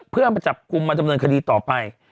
เพื่อมาจับกลุ่มมาดำเนินคดีต่อไป